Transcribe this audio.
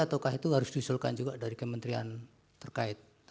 ataukah itu harus diusulkan juga dari kementerian terkait